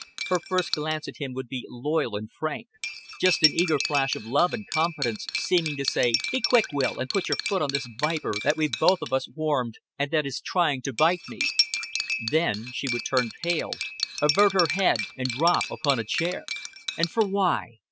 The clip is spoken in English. Her first glance at him would be loyal and frank, just an eager flash of love and confidence, seeming to say, "Be quick, Will, and put your foot on this viper that we've both of us warmed, and that is trying to bite me;" then she would turn pale, avert her head, and drop upon a chair. And for why?